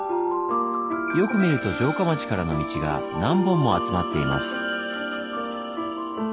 よく見ると城下町からの道が何本も集まっています。